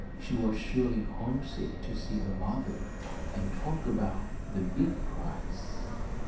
She was surely homesick to see her mother and talk about the big prize.